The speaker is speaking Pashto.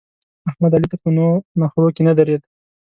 احمد؛ علي ته په نو نخرو کې نه درېد.